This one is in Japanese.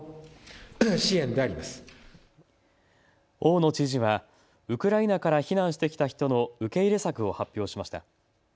大野知事はウクライナから避難してきた人の受け入れ策を発表しました。